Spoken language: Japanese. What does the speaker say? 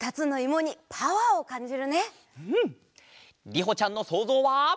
りほちゃんのそうぞうは。